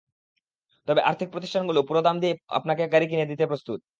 তবে আর্থিক প্রতিষ্ঠানগুলো পুরো দাম দিয়েই আপনাকে গাড়ি কিনে দিতে প্রস্তুত।